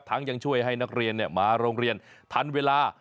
ยังช่วยให้นักเรียนมาโรงเรียนทันเวลา